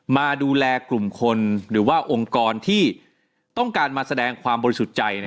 มาดูแลกลุ่มคนหรือว่าองค์กรที่ต้องการมาแสดงความบริสุทธิ์ใจ